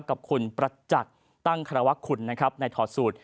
กับคุณประจัตย์ตั้งฆาตคุณในทอสสูตร